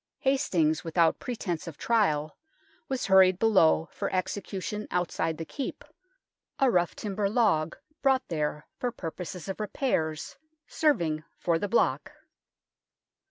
Hastings, without pretence of trial, was hurried below for execution outside the Keep, a rough timber log brought there for purposes of repairs serving for the block.